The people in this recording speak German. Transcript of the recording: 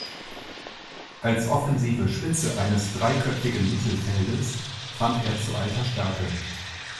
Als offensive Spitze eines dreiköpfigen Mittelfeldes fand er zu alter Stärke.